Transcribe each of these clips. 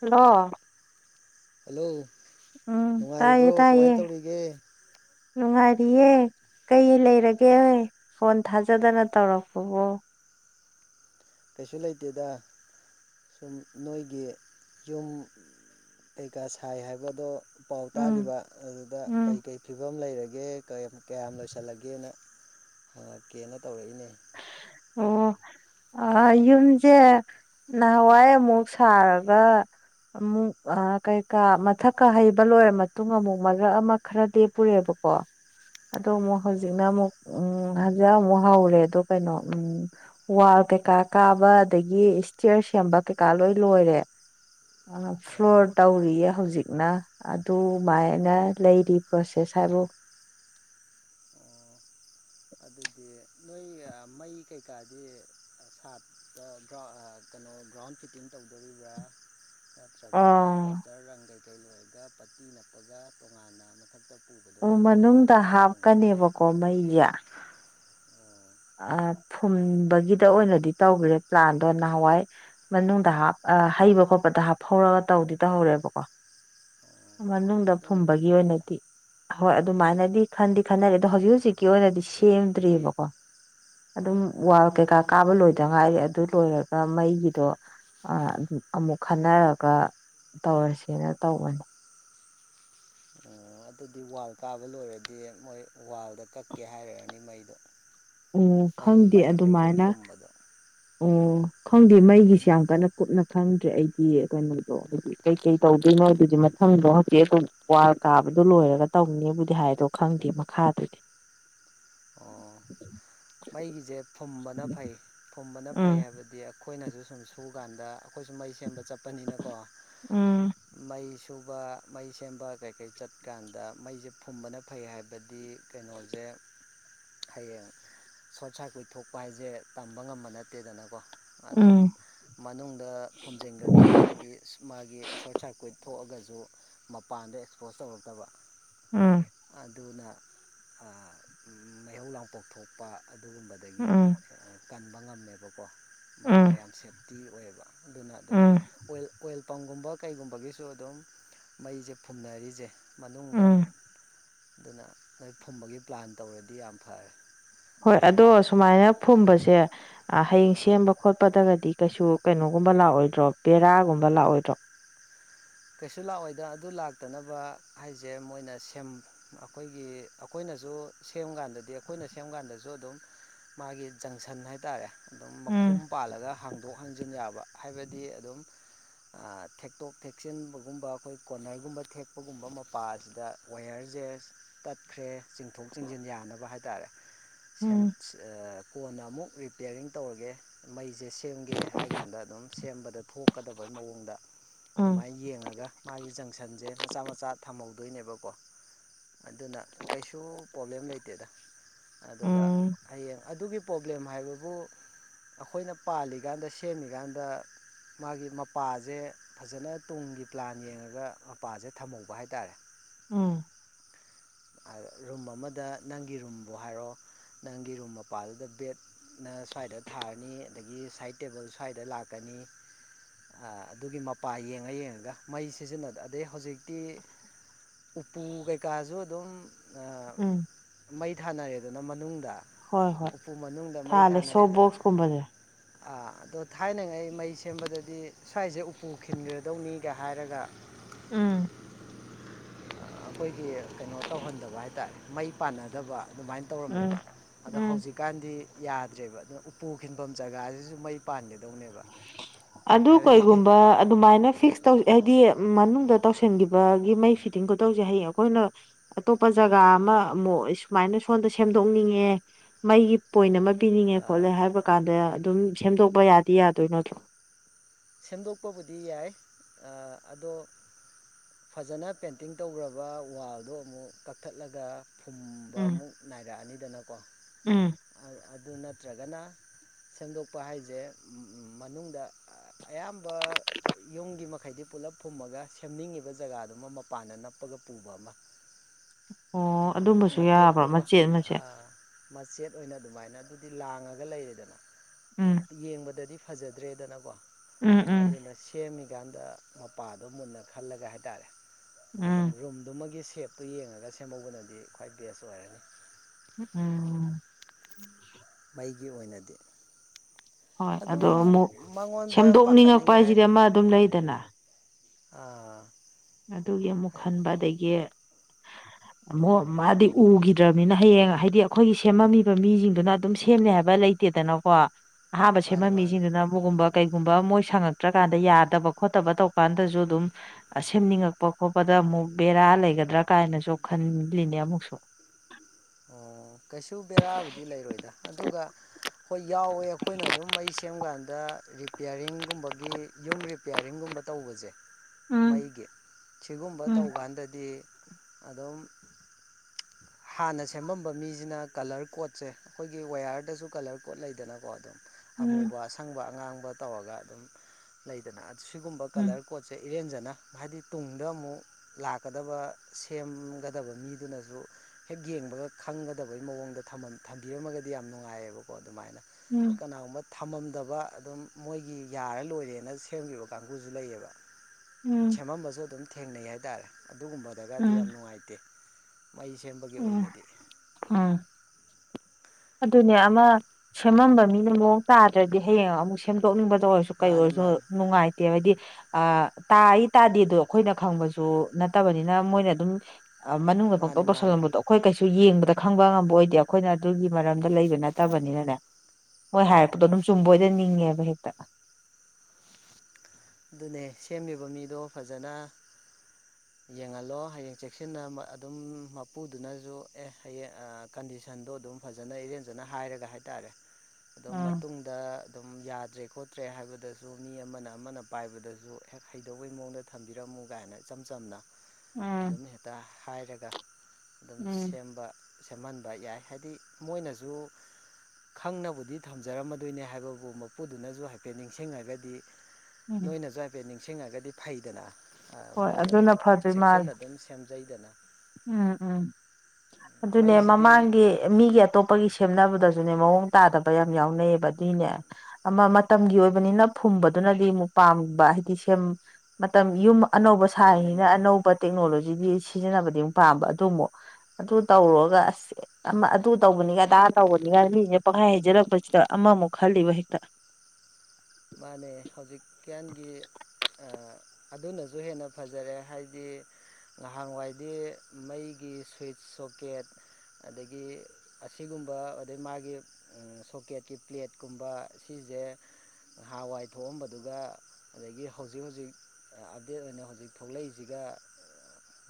ꯂ ꯍꯜꯂꯣ ꯎꯝ ꯅꯨꯡꯉꯥꯏꯔꯤꯕ꯭ꯔꯣ ꯀꯃꯥꯏꯅ ꯇꯧꯔꯤꯒꯦ ꯅꯨꯡꯉꯔꯤꯌꯦ ꯀꯩ ꯂꯩꯔꯒꯦ ꯍ ꯐꯣꯟ ꯊꯥꯖꯗꯅ ꯇꯧꯔꯛꯄꯕꯣ ꯀꯩꯁꯨ ꯂꯩꯇꯦꯗ ꯁꯨꯝ ꯅꯣꯏꯒꯤ ꯌꯨꯝ ꯀꯩꯀꯥ ꯁꯥꯏ ꯍꯥꯏꯕꯗꯣ ꯄꯥꯎ ꯎꯝ ꯇꯥꯈꯤꯕ ꯑꯗꯨꯗ ꯎꯝ ꯀꯩ ꯀꯩ ꯐꯤꯕꯝ ꯂꯩꯔꯒꯦ ꯀꯌꯥꯝ ꯂꯣꯏꯁꯤꯜꯂꯒꯦꯅ ꯍꯪꯉꯛꯀꯦꯅ ꯇꯧꯔꯛꯏꯅꯦ [inaudible] ꯑ ꯌꯨꯝꯁꯦ ꯅꯍꯥꯟꯋꯥꯏ ꯑꯃꯨꯛ ꯁꯥꯔꯒ ꯑꯃꯨꯛ ꯀꯩꯀꯥ ꯃꯊꯛꯀ ꯍꯩꯕ ꯂꯣꯏꯔ ꯃꯇꯨꯡ ꯑꯃꯨꯛ ꯃꯔꯛ ꯑꯃ ꯈꯔ ꯗꯦꯛꯞꯄꯨꯔꯦꯕꯀꯣ [inaudible] ꯑꯗꯣ ꯑꯃꯨꯛ ꯑꯣ ꯍꯧꯖꯤꯛꯅ ꯑꯃꯨꯛ ꯎꯝ ꯍꯟꯖꯤꯛ ꯑꯃꯨꯛ ꯍꯧꯔꯦ ꯑꯗꯣ ꯀꯩꯅꯣ ꯎꯝ ꯋꯥꯜ ꯀꯩꯀꯥ ꯀꯥꯕ ꯑꯗꯒꯤ ꯏꯁꯇꯤꯌꯔ ꯁꯦꯝꯕ ꯀꯩꯀꯥ ꯂꯣꯏ ꯂꯣꯏꯔꯦ ꯑꯣ ꯐ꯭ꯂꯣꯔ ꯇꯧꯔꯤꯌꯦ ꯍꯧꯖꯤꯛꯅ ꯑꯗꯨꯃꯥꯏꯅ ꯂꯩꯔꯤ ꯄ꯭ꯔꯣꯁꯦꯁ ꯍꯥꯏꯕꯨ ꯑꯣ ꯑꯗꯨꯗꯤ ꯅꯣꯏ ꯃꯩ ꯀꯩꯀꯥꯗꯤ ꯁꯥꯠꯇ ꯀꯩꯅꯣ ꯒ꯭ꯔꯥꯎꯟ ꯐꯤꯠꯇꯤꯡ ꯇꯧꯗꯣꯔꯤꯕ꯭ꯔꯥ ꯑ ꯅꯠꯇ꯭ꯔꯒꯅ ꯄ꯭ꯂꯥꯁꯇꯔ ꯔꯪ ꯀꯩꯀꯩ ꯂꯣꯏꯔꯒ ꯄꯇꯤ ꯅꯛꯄꯒ ꯇꯣꯉꯥꯟꯅ ꯑꯃ ꯑꯣ ꯃꯅꯨꯡꯗ ꯍꯥꯞꯀꯅꯦꯕꯀꯣ ꯃꯩꯁꯦ ꯑꯣ ꯑ ꯐꯨꯝꯕꯒꯤꯗ ꯑꯣꯏꯅꯗꯤ ꯇꯧꯈꯔꯦ ꯄ꯭ꯂꯥꯟꯗꯣ ꯅꯍꯥꯟꯋꯥꯏ ꯃꯅꯨꯡꯗ ꯍꯥꯞ ꯍꯩꯕ ꯈꯣꯠꯄꯗ ꯍꯥꯞꯍꯧꯔꯒ ꯇꯧꯗꯤ ꯇꯧꯍꯧꯔꯦꯕꯀꯣ ꯃꯅꯨꯡꯗ ꯑꯗꯨꯅꯕꯨꯗꯤ ꯐꯨꯝꯕꯒꯤ ꯐꯩꯗ ꯑꯣꯏꯅꯗꯤ ꯍꯣꯏ ꯑꯗꯨꯃꯥꯏꯅꯗꯤ ꯈꯟꯗꯤ ꯈꯟꯅꯔꯤꯦ ꯑꯗꯣ ꯍꯧꯖꯤꯛ ꯍꯧꯖꯤꯛꯀꯤ ꯑꯣꯏꯅꯗꯤ ꯁꯦꯝꯗ꯭ꯔꯤꯑꯕꯀꯣ ꯑꯗꯨꯝ ꯋꯥꯜ ꯀꯩꯀꯥ ꯀꯥꯕ ꯂꯣꯏꯗꯉꯥꯏꯔ ꯑꯗꯨ ꯂꯣꯏꯔꯒ ꯃꯩꯒꯤꯗꯣ ꯑꯃꯨꯛ ꯈꯟꯅꯔꯒ ꯇꯧꯔꯁꯦꯅ ꯇꯧꯕꯅꯦ ꯑꯣ ꯑꯗꯨꯗꯤ ꯋꯥꯜ ꯀꯥꯕ ꯂꯣꯏꯔꯗꯤ ꯃꯣꯏ ꯋꯥꯜꯗ ꯀꯛꯀꯦ ꯍꯥꯏꯔꯛꯅꯤ ꯃꯩꯗꯣ ꯑꯣ ꯃꯩꯗꯤ ꯈꯪꯗꯦ ꯄꯥꯏꯌꯞ ꯀꯩꯀꯩ ꯑꯗꯨꯃꯥꯏꯅ ꯐꯣꯝꯕꯗꯣ ꯑꯣ ꯈꯪꯗꯦ ꯃꯩꯒꯤꯁꯤ ꯌꯥꯝ ꯀꯟꯅ ꯀꯨꯞꯅ ꯈꯪꯗ꯭ꯔꯦ ꯑꯩꯗꯤ ꯀꯩꯅꯣꯗꯣ ꯍꯥꯏꯗꯤ ꯀꯩꯀꯩ ꯇꯧꯗꯣꯏꯅꯣ ꯑꯗꯨꯗꯤ ꯃꯊꯪꯗꯣ ꯍꯧꯖꯤꯛ ꯑꯗꯨꯝ ꯋꯥꯔ ꯀꯥꯕꯗꯨꯣ ꯂꯣꯏꯔꯒ ꯇꯧꯅꯦꯕꯨꯗꯤ ꯍꯥꯏꯗꯣ ꯈꯪꯗꯦ ꯃꯈꯥꯗꯨꯗꯤ ꯑꯣ ꯃꯩꯒꯤꯁꯦ ꯐꯨꯝꯕꯅ ꯐꯩ ꯐꯨꯝꯕꯅ ꯐꯩ ꯎꯝ ꯍꯥꯏꯕꯗꯤ ꯑꯩꯈꯣꯏꯅꯁꯨ ꯁꯨꯝ ꯁꯨꯀꯥꯟꯗ ꯑꯩꯈꯣꯏꯁꯨ ꯃꯩ ꯁꯦꯝꯕ ꯆꯠꯄꯅꯤꯅꯀꯣ ꯎꯝ ꯃꯩ ꯁꯨꯕ ꯃꯩ ꯁꯦꯝꯕ ꯀꯩ ꯀꯔꯤ ꯆꯠꯀꯥꯟꯗ ꯃꯩꯁꯦ ꯐꯨꯝꯕꯅ ꯐꯩ ꯍꯥꯏꯕꯗꯤ ꯀꯩꯅꯣꯁꯦ ꯍꯌꯦꯡ ꯁꯣꯔꯠ ꯁꯥꯔꯀ꯭ꯋꯤꯠ ꯊꯣꯛꯄ ꯍꯥꯏꯁꯦ ꯇꯝꯕ ꯉꯝꯕ ꯅꯠꯇꯦꯗꯅꯀꯣ ꯑꯗꯨꯝ ꯎꯝ ꯃꯅꯨꯡꯗ ꯐꯨꯝꯖꯤꯟꯈ꯭ꯔ ꯇꯥꯔꯒꯗꯤ ꯃꯥꯒꯤ ꯁꯣꯔꯠ ꯁꯥꯔꯀ꯭ꯋꯤꯠ ꯊꯣꯛꯑꯒꯁꯨ ꯃꯄꯥꯟꯗ ꯑꯦꯛꯁꯄꯣꯖ ꯇꯧꯔꯛꯇꯕ ꯎꯝ ꯑꯗꯨꯅ ꯃꯩꯍꯧ ꯂꯥꯡꯄꯣꯛ ꯊꯣꯛꯄ ꯑꯗꯨꯒꯨꯝꯕꯗ ꯑꯗꯒꯤ ꯎꯝ ꯀꯟꯕ ꯉꯝꯃꯦꯕꯀꯣ ꯃꯥꯅ ꯎꯝ ꯌꯥꯝ ꯁꯦꯞꯇꯤ ꯑꯣꯏꯌꯦꯕ ꯑꯗꯨꯅ ꯑꯗꯨꯝ ꯎꯝ ꯑꯣꯏ ꯑꯣꯏ ꯇꯄꯝꯒꯨꯝꯕ ꯀꯩꯒꯨꯝꯕꯒꯤꯁꯨ ꯑꯗꯨꯝ ꯃꯩꯁꯦ ꯐꯨꯝꯅꯔꯤꯁꯦ ꯃꯅꯨꯡꯗ ꯎꯝ ꯑꯗꯨꯅ ꯅꯣꯏ ꯐꯨꯝꯕꯒꯤ ꯄ꯭ꯂꯥꯟ ꯇꯧꯔꯗꯤ ꯌꯥꯝ ꯐꯔꯦ ꯍꯣꯏ ꯑꯗꯣ ꯑꯗꯨꯒ ꯁꯨꯃꯥꯏꯅ ꯐꯨꯝꯕꯁꯦ ꯍꯌꯦꯡ ꯁꯦꯝꯕ ꯈꯣꯠꯄꯗꯒꯗꯤ ꯀꯩꯁꯨ ꯀꯩꯅꯣꯒꯨꯝꯕ ꯂꯥꯛꯑꯣꯏꯗ꯭ꯔꯣ ꯕꯦꯔꯥꯒꯨꯝꯕ ꯂꯥꯛꯑꯣꯏꯗ꯭ꯔꯣ ꯀꯩꯁꯨ ꯂꯥꯛꯑꯣꯏꯗ ꯑꯗꯨ ꯂꯥꯛꯇꯅꯕ ꯍꯥꯏꯁꯦ ꯃꯣꯏꯅ ꯁꯦꯝ ꯑꯩꯈꯣꯏꯒꯤ ꯑꯩꯈꯣꯏꯅꯁꯨ ꯁꯦꯝ ꯀꯥꯟꯗꯗꯤ ꯑꯩꯈꯣꯏꯅ ꯁꯦꯝꯕ ꯀꯥꯟꯗꯁꯨ ꯑꯗꯨꯝ ꯃꯥꯒꯤ ꯖꯪꯁꯟ ꯍꯥꯏꯇꯥꯔꯦ ꯑꯗꯨꯝ ꯃꯈꯨꯝ ꯎꯝ ꯄꯥꯜꯂꯒ ꯍꯥꯡꯗꯣꯛ ꯍꯥꯡꯖꯤꯟ ꯌꯥꯕ ꯍꯥꯏꯕꯗꯤ ꯑꯗꯨꯝ ꯊꯦꯛꯇꯣꯛ ꯊꯦ ꯊꯛꯆꯤꯟꯕꯒꯨꯝꯕ ꯑꯩꯈꯣꯏ ꯀꯣꯅꯔꯒꯨꯝꯕ ꯊꯦꯛꯄꯒꯨꯝꯕ ꯃꯄꯥ ꯑꯁꯤꯗ ꯋꯥꯋꯌꯔ ꯖꯦꯁ ꯇꯠꯈ꯭ꯔꯦ ꯆꯤꯡꯊꯣꯛ ꯆꯤꯡꯁꯤꯟ ꯌꯥꯅꯕ ꯍꯥꯏꯇꯥꯔꯦ ꯎꯝ ꯀꯣꯟꯅ ꯑꯃꯨꯛ ꯔꯤꯄꯤꯌꯥꯔꯤꯡ ꯇꯧꯔꯒꯦ ꯃꯩꯁꯦ ꯁꯦꯝꯒꯦ ꯍꯥꯏ ꯀꯥꯟꯗ ꯑꯗꯨꯝ ꯁꯦꯝꯕꯗ ꯊꯣꯛꯀꯗꯕꯩ ꯃꯑꯣꯡꯗ ꯎꯝ ꯑꯗꯨꯃꯥꯏꯅ ꯌꯦꯡꯉꯒ ꯃꯥꯒꯤ ꯖꯪꯁꯟꯁꯦ ꯃꯆꯥ ꯃꯆꯥ ꯊꯝꯍꯧꯗꯣꯏꯅꯦꯕꯀꯣ ꯑꯗꯨꯅ ꯀꯩꯁꯨ ꯄ꯭ꯔꯣꯕ꯭ꯂꯦꯝ ꯂꯩꯇꯦꯗ ꯑꯗꯨꯒ ꯎꯝ ꯍꯌꯦꯡ ꯑꯗꯨꯒꯤ ꯄ꯭ꯔꯣꯕ꯭ꯂꯦꯝ ꯍꯥꯏꯕꯕꯨ ꯑꯩꯈꯣꯏꯅ ꯄꯥꯜꯂꯤꯀꯥꯟꯗ ꯁꯦꯝꯃꯤꯀꯥꯟꯗ ꯃꯥꯒꯤ ꯃꯄꯥꯁꯦ ꯐꯖꯅ ꯇꯨꯡꯒꯤ ꯄ꯭ꯂꯥꯟ ꯌꯦꯡꯉꯒ ꯃꯄꯥꯁꯦ ꯊꯝꯍꯧꯕ ꯍꯥꯏꯇꯥꯔꯦ ꯎꯝ ꯔꯨꯝ ꯑꯃꯗ ꯅꯪꯒꯤ ꯔꯨꯝꯕꯨ ꯍꯥꯏꯔꯛꯣ ꯅꯪꯒꯤ ꯔꯨꯝ ꯃꯄꯥꯜꯗꯨꯗ ꯕꯦꯠ ꯅ ꯁ꯭ꯋꯥꯏꯗ ꯊꯥꯔꯅꯤ ꯑꯗꯒꯤ ꯁꯥꯏꯠ ꯇꯦꯕꯜ ꯁ꯭ꯋꯥꯏꯗ ꯂꯥꯛꯀꯅꯤ ꯑꯗꯨꯒꯤ ꯃꯄꯥ ꯌꯦꯡꯉ ꯌꯦꯡꯉꯒ ꯃꯩ ꯁꯤꯖꯤꯟꯅꯗ ꯑꯗꯩ ꯍꯧꯖꯤꯛꯇꯤ ꯎꯄꯨ ꯀꯩꯀꯥꯁꯨ ꯑꯗꯨꯝ ꯎꯝ ꯃꯩ ꯊꯥꯅꯔꯦꯗꯅ ꯃꯅꯨꯡꯗ ꯍꯣꯏ ꯍꯣꯏ ꯎꯄꯨ ꯃꯅꯨꯡꯗ ꯃꯩ ꯊꯥꯜꯂꯦ ꯁꯣ ꯊꯥꯅꯔꯦꯗꯅ ꯕꯣꯛꯁꯀꯨꯝꯕꯁꯦ ꯑꯥ ꯑꯗꯣ ꯊꯥꯏꯅꯉ ꯑꯩ ꯃꯩ ꯁꯦꯝꯕꯗꯗꯤ ꯁ꯭ꯋꯥꯏꯁꯦ ꯎꯄꯨ ꯈꯤꯟꯒ꯭ꯔꯗꯧꯅꯤꯒ ꯍꯥꯏꯔꯒ ꯎꯝ ꯑꯩꯈꯣꯏꯒꯤ ꯀꯩꯅꯣ ꯇꯧꯍꯟꯗꯕ ꯍꯥꯏꯇꯥꯔꯦ ꯃꯩ ꯄꯥꯟꯅꯗꯕ ꯑꯗꯨꯃꯥꯏꯅ ꯎꯝ ꯇꯧꯔꯝꯃꯦꯕ ꯑꯗꯣ ꯎꯝ ꯍꯧꯖꯤꯛ ꯀꯥꯟꯗꯤ ꯌꯥꯗ꯭ꯔꯦꯕ ꯑꯗꯨꯅ ꯎꯄꯨ ꯈꯤꯟꯐꯝ ꯖꯒꯥꯁꯤꯁꯨ ꯃꯩ ꯄꯥꯟꯒꯗꯧꯅꯦꯕ ꯑꯗꯨ ꯍꯥꯏꯕꯗꯤ ꯀꯩꯒꯨꯝꯕ ꯑꯗꯨꯃꯥꯏꯅ ꯐꯤꯛꯁ ꯍꯥꯏꯗꯤ ꯃꯅꯨꯡꯗ ꯇꯧꯁꯤꯟꯈꯤꯕꯒꯤ ꯃꯩ ꯐꯤꯇꯤꯡꯒꯣ ꯇꯧꯁꯦ ꯍꯌꯦꯡ ꯑꯩꯈꯣꯏꯅ ꯑꯇꯣꯞꯄ ꯖꯒꯥ ꯑꯃ ꯑꯃꯨꯛ ꯁꯨꯃꯥꯏꯅ ꯁꯣꯝꯗ ꯁꯦꯝꯗꯣꯛꯅꯤꯡꯉꯦ ꯃꯩꯒꯤ ꯄꯣꯏꯟ ꯑꯃ ꯄꯤꯅꯤꯡꯉꯦ ꯈꯣꯠꯂꯦ ꯍꯥꯏꯕ ꯀꯥꯟꯗ ꯑꯗꯨꯝ ꯁꯦꯝꯗꯣꯛꯄ ꯌꯥꯗꯤ ꯌꯥꯗꯣꯏ ꯅꯠꯇ꯭ꯔꯣ ꯁꯦꯝꯗꯣꯛꯄꯕꯨꯗꯤ ꯌꯥꯏ ꯑꯥ ꯑꯗꯣ ꯐꯖꯟꯅ ꯄꯦꯟꯇꯤꯡ ꯇꯧꯒ꯭ꯔꯕ ꯋꯥꯜꯗꯣ ꯑꯃꯨꯛ ꯀꯛꯊꯠꯂꯒ ꯐꯨꯝꯕ ꯎꯝ ꯑꯃꯨꯛ ꯅꯥꯏꯔꯛꯑꯅꯤꯗꯅꯀꯣ ꯎꯝ ꯑꯗꯨ ꯅꯠꯇ꯭ꯔꯒꯅ ꯁꯦꯝꯗꯣꯛꯄ ꯍꯥꯏꯖꯦ ꯃꯅꯨꯡꯗ ꯑꯌꯥꯝꯕ ꯌꯨꯝꯒꯤ ꯃꯈꯩꯗꯤ ꯄꯨꯂꯞ ꯐꯨꯝꯃꯒ ꯁꯦꯝꯅꯤꯡꯉꯤꯕ ꯖꯒꯥꯗꯨꯃ ꯃꯄꯥꯟꯗ ꯅꯞꯄꯒ ꯄꯨꯕ ꯑꯃ ꯑꯣ ꯑꯗꯨꯢ ꯑꯗꯨꯝꯕꯁꯨ ꯃꯇꯦꯚ ꯌꯥꯕ꯭ꯔꯣ ꯇꯨꯃ ꯃꯆꯦꯠ ꯑ ꯃꯆꯦꯠ ꯁꯦꯠ ꯑꯣꯏꯅ ꯑꯗꯨꯃꯥꯏꯅ ꯑꯗꯨꯗꯤ ꯂꯥꯡꯉꯒ ꯂꯩꯔꯦꯗꯅ ꯎꯝ ꯌꯦꯡꯕꯗꯗꯤ ꯐꯖꯗ꯭ꯔꯦꯗꯅꯀꯣ ꯎꯝ ꯎꯝ ꯑꯗꯨꯅ ꯁꯦꯝꯃꯤꯒꯥꯟꯗ ꯃꯄꯥꯗꯣ ꯃꯨꯟꯅ ꯈꯜꯂꯒ ꯍꯥꯏꯇꯥꯔꯦ ꯑꯗꯨꯝ ꯎꯝ ꯔꯨꯝꯗꯨꯃꯒꯤ ꯁꯦꯞꯇꯨ ꯌꯦꯡꯉꯒ ꯁꯦꯝꯍꯧꯕꯅꯗꯤ ꯈ꯭ꯋꯥꯏ ꯕꯦꯁ ꯑꯣꯏꯔꯅꯤ ꯎꯝ ꯎꯝꯝ ꯃꯩꯒꯤ ꯑꯣꯏꯅꯗꯤ ꯍꯣꯏ ꯑꯗꯨꯝ ꯑꯗꯣ ꯑꯃꯨꯛ ꯃꯉꯣꯟꯗ ꯁꯦꯝꯗꯣꯛꯅꯤꯡꯉꯛꯄ ꯄꯥꯈꯠꯅꯤꯡꯉꯥꯏ ꯍꯥꯏꯁꯤꯗꯤ ꯑꯃ ꯑꯗꯨꯝ ꯂꯩꯗꯅ ꯑꯥ ꯑꯗꯨꯒꯤ ꯑꯃꯨꯛ ꯈꯟꯕ ꯑꯗꯒꯤ [inaudible] ꯑꯃꯨꯛ ꯃꯥꯗꯤ ꯎꯒꯤꯗ꯭ꯔꯝꯅꯤꯅ ꯍꯌꯦꯡ ꯍꯥꯏꯗꯤ ꯑꯩꯈꯣꯏꯒꯤ ꯁꯦꯝꯃꯝꯃꯤꯕ ꯃꯤꯖꯤꯡꯗꯨꯅ ꯑꯗꯨꯝ ꯁꯦꯝꯅꯤ ꯍꯥꯏꯕ ꯂꯩ ꯇꯦꯠꯗꯅꯀꯣ ꯑꯍꯥꯥꯟꯕ ꯃꯥꯅꯦ ꯃꯥꯅꯦ ꯁꯦꯝꯃꯝꯃꯤꯖꯤꯡꯗꯨꯅ ꯒꯨꯝ ꯀꯩꯒꯨꯝꯕ ꯃꯣꯏ ꯁꯪꯉꯛꯇ꯭ꯔꯥ ꯀꯥꯟꯗ ꯌꯥꯗꯕ ꯈꯣꯠꯇꯕ ꯇꯧꯕ ꯀꯥꯟꯗꯖꯨ ꯑꯗꯨꯝ ꯁꯦꯝꯅꯤꯡꯉꯛꯄ ꯈꯣꯠꯄꯗ ꯑꯃꯨꯛ ꯕꯦꯔꯥ ꯂꯩꯒꯗ꯭ꯔꯥ ꯀꯥꯏꯅꯁꯨ ꯈꯟꯂꯤꯅꯦ ꯑꯃꯨꯛꯁꯨ ꯑꯣ ꯀꯩꯁꯨ ꯕꯦꯔꯥꯕꯨꯗꯤ ꯂꯩꯔꯣꯏꯗ ꯑꯗꯨꯒ ꯍꯣꯏ ꯌꯥꯎꯋꯦ ꯑꯩꯈꯣꯏꯅ ꯑꯗꯨꯝ ꯑꯩꯩ ꯁꯦꯝ ꯀꯥꯟꯗ ꯔꯤꯄꯤꯌꯥꯔꯤꯡꯒꯨꯝꯕꯒꯤ ꯌꯨꯝ ꯔꯤꯄꯤꯌꯥꯔꯤꯡꯒꯨꯝꯕ ꯇꯧꯕꯖꯦ ꯎꯝ ꯃꯩꯒꯤ ꯁꯤꯒꯨꯝꯕ ꯎꯝ ꯇꯧꯀꯥꯟꯗꯗꯤ ꯑꯗꯨꯝ ꯍꯥꯟꯅ ꯁꯦꯝꯃꯝꯕ ꯃꯤꯖꯤꯅ ꯀꯂꯔ ꯀꯣꯠꯁꯦ ꯑꯩꯈꯣꯏꯒꯤ ꯋꯥꯌꯔꯗꯁꯨ ꯀꯂꯔ ꯀꯣꯗ ꯂꯩꯗꯅꯀꯣ ꯑꯗꯨꯝ ꯎꯝ ꯑꯃꯨꯕ ꯑꯁꯪꯕ ꯑꯉꯥꯡꯕ ꯇꯧꯔꯒ ꯑꯗꯨꯝ ꯂꯩꯗꯅ ꯁꯤꯒꯨꯝꯕ ꯎꯝ ꯀꯂꯔ ꯄꯣꯠꯁꯦ ꯏꯔꯦꯟꯖꯅ ꯍꯥꯏꯗꯤ ꯇꯨꯡꯗ ꯑꯃꯨꯛ ꯂꯥꯛꯀꯗꯕ ꯁꯦꯝꯒꯗꯕ ꯃꯤꯗꯨꯅꯖꯨ ꯍꯦꯛ ꯌꯦꯡꯕꯒ ꯈꯪꯒꯗꯕꯩ ꯃꯑꯣꯡꯗ ꯊꯃꯝ ꯊꯝꯕꯤꯔꯝꯃꯒꯗꯤ ꯌꯥꯝ ꯅꯨꯡꯉꯥꯏꯌꯦꯕꯀꯣ ꯑꯗꯨꯃꯥꯏꯅ ꯎꯝ ꯑꯗꯣ ꯀꯅꯥꯒꯨꯝꯕ ꯊꯝꯃꯝꯗꯕ ꯑꯗꯨꯝ ꯃꯣꯏꯒꯤ ꯌꯥꯔ ꯂꯣꯏꯔꯦꯅ ꯁꯦꯝꯒꯤꯕ ꯀꯥꯡꯒꯨꯁꯨ ꯂꯩꯌꯦꯕ ꯎꯝ ꯁꯦꯝꯃꯝꯕꯁꯨ ꯑꯗꯨꯝ ꯊꯦꯡꯅꯩ ꯍꯥꯏꯇꯥꯔꯦ ꯑꯗꯨꯒꯨꯝꯕꯗꯒꯗꯤ ꯎꯝ ꯌꯥꯝ ꯅꯨꯡꯉꯥꯏꯇꯦ ꯃꯩ ꯁꯦꯝꯕꯒꯤ ꯎꯝ ꯑꯣꯏꯅꯗꯤ ꯎꯝ ꯑꯗꯨꯅꯦ ꯑꯃ ꯁꯦꯝꯃꯝꯕ ꯃꯤꯅ ꯃꯑꯣꯡ ꯇꯥꯗ꯭ꯔꯗꯤ ꯍꯌꯦꯡ ꯑꯃꯨꯛ ꯁꯦꯝꯗꯣꯛꯅꯤꯡꯕꯗ ꯑꯣꯏꯔꯁꯨ ꯀꯩ ꯃꯥꯅꯦ ꯑꯣꯏꯔꯁꯨ ꯃꯥꯅꯦ ꯅꯨꯡꯉꯥꯏꯇꯦ ꯍꯥꯏꯗꯤ ꯑ ꯇꯥꯏ ꯇꯥꯗꯦꯗꯣ ꯑꯩꯈꯣꯏꯅ ꯈꯪꯕꯁꯨ ꯅꯠꯇꯕꯅꯤꯅ ꯃꯣꯏꯅ ꯑꯗꯨꯝ ꯃꯅꯨꯡꯗ ꯃꯥꯅꯦ ꯄꯪꯇꯧ ꯃꯥꯅꯦ ꯇꯧꯁꯜꯂꯝꯕꯗꯣ ꯑꯩꯈꯣꯏ ꯀꯩꯁꯨ ꯌꯦꯡꯕꯗ ꯈꯪꯕ ꯉꯝꯕ ꯑꯣꯏꯗꯦ ꯑꯩꯈꯣꯏꯅ ꯑꯗꯨꯒꯤ ꯃꯔꯝꯗ ꯂꯩꯕ ꯅꯠꯇꯕꯅꯤꯅꯅꯦ ꯃꯣꯏ ꯍꯣꯏ ꯍꯥꯏꯔꯛꯄꯗꯣ ꯑꯗꯨꯝ ꯆꯨꯝꯕꯣꯏꯗ ꯅꯤꯡꯉꯦꯕ ꯍꯦꯛꯇ ꯑꯗꯨꯅꯦ ꯁꯦꯝꯃꯤꯕ ꯃꯤꯗꯣ ꯐꯖꯅ ꯌꯦꯡꯍꯜꯂꯣ ꯍꯌꯦꯡ ꯆꯦꯛꯁꯤꯟꯅ ꯑꯗꯨꯝ ꯃꯄꯨꯗꯨꯅꯖꯨ ꯑꯦ ꯍꯌꯦꯡ ꯑꯥ ꯀꯟꯗꯤꯁꯟꯗꯣ ꯑꯗꯨꯝ ꯐꯖꯅ ꯏꯔꯦꯟꯖꯅ ꯍꯥꯏꯔꯒ ꯍꯥꯏꯇꯥꯔꯦ ꯑꯗꯨꯝ ꯎꯝ ꯃꯇꯨꯡꯗ ꯑꯗꯨꯝ ꯌꯥꯗ꯭ꯔꯦ ꯈꯣꯠꯇ꯭ꯔꯦ ꯍꯥꯏꯕꯗꯁꯨ ꯃꯤ ꯑꯃꯅ ꯑꯃꯅ ꯄꯥꯏꯕꯗꯖꯨ ꯍꯦꯛ ꯍꯩꯗꯧꯕꯩ ꯃꯑꯣꯡꯗ ꯊꯝꯕꯤꯔꯝꯃꯨ ꯀꯥꯏꯅ ꯏꯆꯝ ꯆꯝꯅ ꯎꯝ ꯑꯗꯨꯝ ꯍꯦꯛꯇ ꯍꯥꯏꯔꯒ ꯑꯗꯨꯝ ꯎꯝ ꯁꯦꯝꯕ ꯁꯦꯝꯍꯟꯕ ꯌꯥꯏ ꯍꯥꯏꯗꯤ ꯃꯣꯏꯅꯁꯨ ꯈꯪꯅꯕꯨꯗꯤ ꯊꯝꯖꯔꯝꯃꯗꯣꯏꯅꯦ ꯍꯥꯏꯕꯕꯨ ꯃꯄꯨꯗꯨꯅꯁꯨ ꯍꯥꯏꯐꯦꯠ ꯅꯤꯡꯁꯤꯡꯉꯒꯗꯤ ꯎꯝ ꯅꯣꯏꯅꯁꯨ ꯍꯥꯏꯐꯦꯠ ꯅꯤꯡꯁꯤꯡꯉꯒꯗꯤ ꯐꯩꯗꯅ ꯍꯣꯏ ꯃꯣꯏ ꯑꯗꯨꯅ ꯐꯗꯣꯏ ꯃꯥꯜꯂꯦ ꯆꯦꯛꯁꯤꯟꯅ ꯑꯗꯨꯝ ꯁꯦꯝꯖꯩꯗꯅ ꯎꯝ ꯎꯝ ꯑꯗꯨꯅꯦ ꯃꯩꯁꯤꯗꯤ ꯃꯃꯥꯡꯒꯤ ꯃꯤꯒꯤ ꯑꯇꯣꯞꯄꯒꯤ ꯁꯦꯝꯅꯕꯗꯁꯨꯅꯦ ꯃꯑꯣꯡ ꯇꯥꯗꯕ ꯌꯥꯝ ꯌꯥꯎꯅꯩꯌꯦꯕ ꯑꯗꯨꯏꯅꯦ ꯑꯃ ꯃꯇꯝꯒꯤ ꯑꯣꯏꯕꯅꯤꯅ ꯐꯨꯝꯕꯗꯨꯅꯗꯤ ꯑꯃꯨꯛ ꯄꯥꯝꯕ ꯍꯥꯏꯗꯤ ꯁꯦꯝ ꯃꯇꯝ ꯌꯨꯝ ꯑꯅꯧꯕ ꯃꯥꯅꯦ ꯁꯥꯏꯁꯤꯅ ꯃꯥꯅꯦ ꯑꯅꯧꯕ ꯇꯦꯛꯅꯣꯂꯣꯖꯤꯗꯤ ꯁꯤꯖꯤꯟꯅꯕꯗꯤ ꯄꯥꯝꯕ ꯑꯗꯨ ꯑꯃꯨꯛ ꯑꯗꯨ ꯇꯧꯔꯒ ꯑꯁ ꯑꯃ ꯑꯗꯨ ꯇꯧꯕꯅꯤꯒ ꯑꯗꯥ ꯇꯧꯕꯅꯤꯒ ꯃꯤꯁꯤꯅ ꯄꯪꯈꯥꯏ ꯍꯥꯏꯩꯖꯔꯛꯄꯁꯤꯗ ꯑꯃꯃꯨꯛ ꯈꯜꯂꯤꯕ ꯍꯦꯛꯇ ꯃꯥꯅꯦ ꯍꯧꯖꯤꯛ ꯭ꯌꯥꯟꯒꯤ ꯑꯗꯨꯅꯁꯨ ꯍꯦꯟꯅ ꯐꯖꯔꯦ ꯍꯥꯏꯗꯤ ꯅꯍꯥꯟꯋꯥꯏꯗꯤ ꯃꯩꯒꯤ ꯁ꯭ꯋꯤꯆ ꯁꯣꯀꯦꯠ ꯑꯗꯒꯤ ꯑꯁꯤꯒꯨꯝꯕ ꯑꯗꯩ ꯃꯥꯒꯤ ꯁꯣꯀꯦꯠꯀꯤ ꯄ꯭ꯂꯦꯠꯀꯨꯝꯕ ꯁꯤꯁꯦ ꯍꯥꯋꯥꯏ ꯊꯣꯛꯑꯝꯕꯗꯨꯒ ꯑꯗꯒꯤ ꯍꯧꯖꯤꯛ ꯍꯧꯖꯤꯛ ꯑꯞꯗꯦꯠ ꯑꯣꯏꯅ ꯍꯧꯖꯤꯛ ꯊꯣꯛꯂꯛꯏꯁꯤꯒ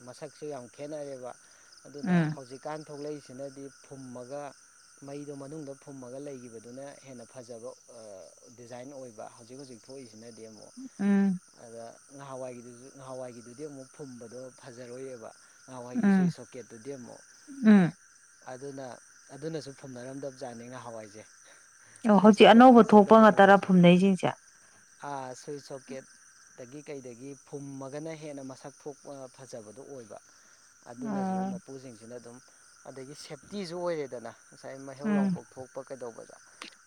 ꯃꯁꯛꯁꯨ ꯌꯥꯝ ꯈꯦꯠꯅꯔꯦꯕ ꯑꯗꯨꯅ ꯎꯝ ꯍꯧꯖꯤꯛꯀꯥꯟ ꯊꯣꯛꯂꯛꯏꯁꯤꯅꯗꯤ ꯐꯨꯝꯃꯒ ꯃꯩꯗꯣ ꯃꯅꯨꯡꯗ ꯐꯨꯝꯃꯒ ꯂꯩꯈꯤꯕꯗꯨꯅ ꯍꯦꯟꯅ ꯐꯖꯕ ꯗꯤꯖꯥꯏꯟ ꯑꯣꯏꯕ ꯍꯧꯖꯤꯛ ꯍꯧꯖꯤꯛ ꯊꯣꯛꯏꯁꯤꯅꯗꯤ ꯑꯃꯨꯛ ꯎꯝ ꯑꯗ ꯉꯍꯥꯟꯋꯥꯏꯒꯤꯗꯨꯁꯨ ꯉꯍꯥꯟꯋꯥꯏꯒꯤꯗꯨꯗꯤ ꯑꯃꯨꯛ ꯐꯨꯝꯕꯗꯣ ꯐꯖꯔꯣꯏꯏꯑꯕ ꯅꯍꯥꯟꯋꯥꯏꯒꯤ ꯎꯝ ꯁꯨꯏ ꯁꯣꯀꯦꯠꯇꯨꯗꯤ ꯑꯃꯨꯛ ꯎꯝ ꯑꯗꯨꯅ ꯑꯗꯨꯅꯁꯨ ꯐꯝꯅꯔꯝꯗꯕꯖꯥꯠꯅꯤ ꯉꯍꯥꯟꯋꯥꯏꯖꯦ ꯑꯣ ꯍꯧꯖꯤꯛ ꯑꯅꯧꯕ ꯊꯣꯛꯄ ꯉ ꯇꯔꯥ ꯐꯨꯝꯅꯩꯁꯤꯡꯁꯦ ꯑꯥ ꯁ꯭ꯋꯏꯠ ꯁꯣꯀꯦꯠ ꯗꯒꯤ ꯀꯩꯗꯒꯤ ꯐꯨꯝꯃꯒꯅ ꯍꯦꯟꯅ ꯃꯁꯛ ꯊꯣꯛꯄ ꯐꯖꯕꯗꯨꯣ ꯑꯣꯏꯕ ꯑꯗꯨꯅꯁꯨ ꯎꯝ ꯃꯄꯨꯁꯤꯡꯁꯤꯅ ꯑꯗꯨꯝ ꯑꯗꯒꯤ ꯁꯦꯞꯇꯤꯁꯨ ꯑꯣꯏꯔꯦꯗꯅ ꯉꯁꯥꯏ ꯃꯩꯍꯧ ꯎꯝ ꯂꯥꯡꯄꯣꯛ ꯊꯣꯛꯄ ꯀꯩꯗꯧꯕꯗ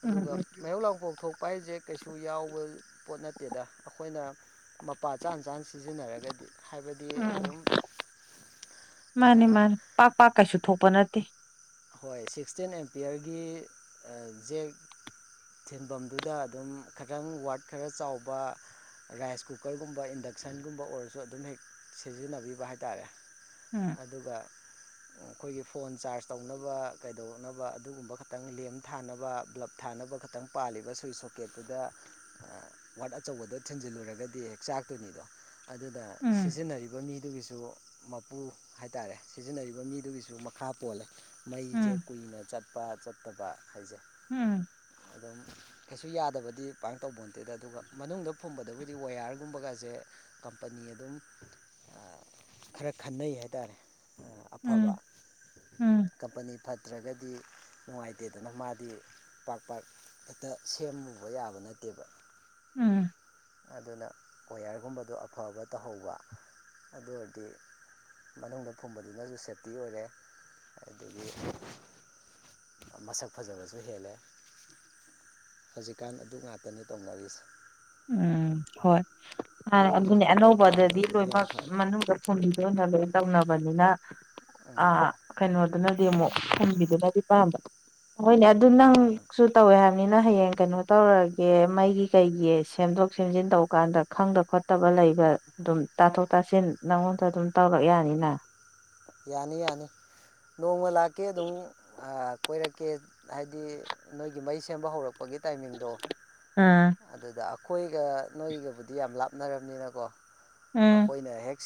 ꯑꯗꯨꯒ ꯎꯝ ꯃꯩꯍꯧ ꯂꯥꯡꯄꯣꯛ ꯊꯣꯛꯄ ꯎꯄꯥꯏꯁꯦ ꯀꯩꯁꯨ ꯌꯥꯎꯕ ꯄꯣꯠ ꯅꯠꯇꯦꯗ ꯑꯩꯈꯣꯏꯅ ꯃꯄꯥ ꯆꯥ ꯆꯥꯅ ꯁꯤꯖꯤꯟꯅꯔꯒꯗꯤ ꯍꯥꯏꯕꯗꯤ ꯎꯝ ꯑꯗꯨꯝ ꯃꯥꯅꯤ ꯃꯥꯅꯤ ꯄꯥꯛ ꯄꯥꯛ ꯀꯩꯁꯨ ꯊꯣꯛꯄ ꯅꯠꯇꯦ ꯍꯣꯏ ꯁꯤꯛꯁꯇꯤꯟ ꯑꯦꯝꯄꯤꯌꯔꯒꯤ ꯖꯦꯛ ꯁꯤꯐꯝꯗꯨꯗ ꯑꯗꯨꯝ ꯈꯤꯇꯪ ꯋꯥꯔꯗ ꯈꯔ ꯆꯥꯎꯕ ꯔꯥꯏꯁ ꯀꯨꯀꯔꯒꯨꯝꯕ ꯏꯟꯗꯛꯁꯟꯒꯨꯝꯕ ꯑꯣꯏꯔꯁꯨ ꯑꯗꯨꯝ ꯍꯦꯛ ꯁꯤꯖꯤꯟꯅꯕꯤꯕ ꯍꯥꯏꯇꯥꯔꯦ ꯎꯝ ꯑꯗꯨꯒ ꯑꯩꯈꯣꯏꯒꯤ ꯐꯣꯟ ꯆꯥꯔꯖ ꯇꯧꯅꯕ ꯀꯩꯗꯧꯅꯕ ꯑꯗꯨꯒꯨꯝꯕ ꯈꯇꯪ ꯂꯦꯝ ꯊꯥꯅꯕ ꯕ꯭ꯂꯞ ꯊꯥꯅꯕ ꯈꯇꯪ ꯄꯥꯜꯂꯤꯕ ꯁꯨꯋꯁ ꯁꯣ ꯄꯀꯦꯠꯇꯨꯗ ꯋꯥꯠ ꯑꯆꯧꯕꯗꯣ ꯊꯤꯟꯖꯤꯜꯂꯨꯔꯒꯗꯤ ꯍꯦꯛ ꯆꯥꯛꯇꯣꯏꯅꯤꯗꯣ ꯑꯗꯨꯗ ꯎꯝ ꯁꯤꯖꯤꯟꯅꯔꯤꯕ ꯃꯤ ꯑꯗꯨꯒꯤꯁꯨ ꯃꯄꯨ ꯍꯥꯏꯇꯥꯔꯦ ꯁꯤꯖꯤꯟꯅꯔꯤꯕ ꯃꯤꯗꯨꯒꯤꯁꯨ ꯃꯈꯥ ꯄꯣꯜꯂꯦ ꯃꯩꯁꯦ ꯎꯝ ꯀꯨꯏꯅ ꯆꯠꯄ ꯆꯠꯇꯕ ꯍꯥꯏꯖꯩ ꯎꯝ ꯑꯗꯨꯝ ꯀꯩꯁꯨ ꯌꯥꯗꯕꯗꯤ ꯄꯥꯏ ꯇꯧꯕ ꯅꯇꯦꯗ ꯑꯗꯨꯒ ꯃꯅꯨꯡꯗ ꯐꯨꯝꯕꯗꯕꯨꯗꯤ ꯋꯥꯌꯥꯔꯒꯨꯝꯕꯒꯁꯦ ꯀꯝꯄꯅꯤ ꯑꯗꯨꯝ ꯈꯔ ꯈꯟꯅꯩ ꯍꯥꯏꯇꯥꯔꯦ ꯑꯐꯕ ꯎꯝ ꯎꯝ ꯀꯝꯄꯅꯤ ꯐꯠꯇ꯭ꯔꯒꯗꯤ ꯅꯨꯡꯉꯥꯏꯇꯦꯗꯅ ꯃꯥꯗꯤ ꯄꯥꯔ ꯄꯥꯔꯛ ꯈꯦꯛꯇ ꯁꯦꯝꯃꯨꯕ ꯌꯥꯕ ꯅꯠꯇꯦꯕ ꯎꯝ ꯑꯗꯨꯅ ꯀꯌꯔꯒꯨꯝꯕꯗꯣ ꯑꯐꯕ ꯇꯧꯍꯧꯕ ꯑꯗꯨ ꯑꯣꯏꯔꯗꯤ ꯃꯅꯨꯡꯗ ꯐꯨꯝꯕꯗꯨꯅꯁꯨ ꯁꯦꯞꯇꯤ ꯑꯣꯏꯔꯦ ꯑꯗꯨꯗꯒꯤ ꯃꯁꯛ ꯐꯖꯕꯁꯨ ꯍꯦꯜꯂꯦ ꯍꯧꯖꯤꯛꯀꯥꯟ ꯑꯗꯨ ꯉꯥꯛꯇꯅꯤ ꯇꯧꯅꯔꯤꯁꯦ ꯎꯝ ꯍꯣꯏ ꯅꯣꯏꯒꯤꯁꯨ ꯑꯗꯨꯅꯦ ꯐꯨꯝꯕꯩ ꯄ꯭ꯂꯥꯟ ꯑꯅꯧꯕꯗꯗꯤ ꯇꯧꯕꯗꯨ ꯌꯥꯝ ꯂꯣꯏꯅꯃꯛ ꯐꯔꯦ ꯃꯅꯨꯡꯗ ꯐꯨꯝꯕꯤꯗ ꯑꯣꯏꯅ ꯂꯣꯏ ꯇꯧꯅꯕꯅꯤꯅ ꯑ ꯎꯝ ꯀꯩꯅꯣ ꯑꯗꯨꯅꯗꯤ ꯑꯃꯨꯛ ꯍꯟꯕꯤꯗꯨꯅꯗꯤ ꯄꯥꯝꯕ ꯍꯣꯏꯅꯦ ꯑꯗꯨ ꯑꯥ ꯅꯪꯁꯨ ꯇꯧꯋꯦ ꯍꯥꯏꯕꯅꯤꯅ ꯍꯌꯦꯡ ꯀꯩꯅꯣ ꯇꯧꯔꯛꯑꯒꯦ ꯃꯩꯒꯤ ꯀꯩꯒꯤꯁꯦ ꯁꯦꯝꯗꯣꯛ ꯁꯦꯝꯖꯤꯟ ꯇꯧ ꯀꯥꯟꯗ ꯈꯪꯗꯕ ꯈꯣꯠꯇꯕ ꯂꯩꯕ ꯑꯗꯨꯝ ꯇꯥꯊꯣꯛ ꯇꯥꯁꯤꯟ ꯅꯪꯉꯣꯟꯗ ꯑꯗꯨꯝ ꯇꯧꯔꯛ ꯌꯥꯅꯤꯅ ꯌꯥꯅꯤ ꯌꯥꯅꯤ ꯅꯣꯡꯃ ꯂꯥꯛꯀꯦ ꯑꯗꯨꯝ ꯀꯣꯏꯔꯛꯀꯦ ꯍꯥꯏꯗꯤ ꯅꯣꯏꯒꯤ ꯃꯩ ꯁꯦꯝꯕ ꯍꯧꯔꯛꯄꯒꯤ ꯇꯥꯏꯃꯤꯡꯗꯣ ꯑꯥ ꯑꯗꯨꯗ ꯑꯩꯈꯣꯏꯒ ꯅꯣꯏꯒꯕꯨꯗꯤ ꯌꯥꯝ ꯂꯥꯞꯅꯔꯕꯅꯤꯅꯀꯣ ꯎꯝ ꯑꯩꯈꯣꯏꯅ ꯍꯦꯛ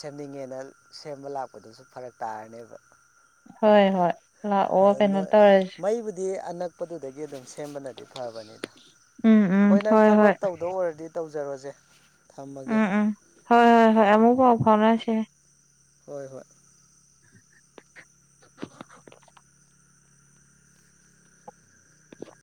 ꯁꯦꯝꯅꯤꯡꯉꯦꯅ ꯁꯦꯝꯕ ꯂꯥꯛꯄꯗꯨꯁꯨ ꯐꯔꯛ ꯇꯥꯔꯅꯦꯕ ꯍꯣꯏ ꯍꯣꯏ ꯂꯥꯛꯑꯣ ꯅ ꯀꯩꯅꯣ ꯇꯧꯔꯁꯤ ꯃꯩꯕꯨꯗꯤ ꯑꯅꯛ ꯄꯄꯗꯨꯗꯒꯤ ꯑꯗꯨꯝ ꯁꯦꯝꯕꯅꯗꯤ ꯐꯕꯅꯤꯗ ꯍꯣꯏ ꯅꯪ ꯊꯕꯛ ꯇ ꯑꯗꯨ ꯑꯣꯏꯔꯗꯤ ꯇꯧꯖꯔꯁꯦ ꯎꯝ ꯎꯝ ꯍꯣꯏ ꯍꯣꯏ ꯍꯣꯏ ꯑꯃꯨꯛ ꯄꯥꯎ ꯐꯥꯎꯅꯁꯤꯦ ꯍꯣꯏ ꯍꯣꯏ [inaudible]